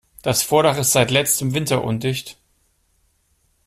Das Vordach ist seit letztem Winter undicht.